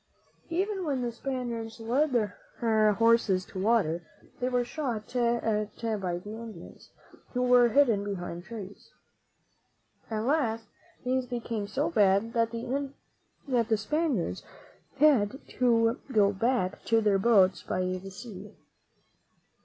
Even when the Spaniards led their horses to water, they were shot at by the Indians, who were hidden behind trees. At last things became so bad that the Spaniards had to go back to their boats by the sea.